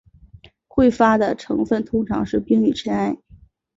彗发的成分通常是冰与尘埃。